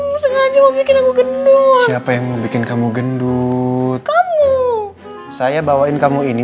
bisa aja mau bikin aku gendut siapa yang mau bikin kamu gendut kamu saya bawain kamu ini